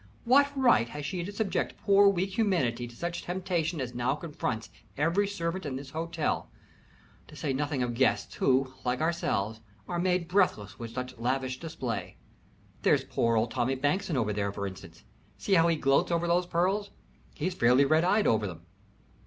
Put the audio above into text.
What right has she to subject poor weak humanity to such temptation as now confronts every servant in this hotel, to say nothing of guests, who, like ourselves, are made breathless with such lavish display? There's poor old Tommie Bankson over there, for instance. See how he gloats over those pearls. He's fairly red eyed over them."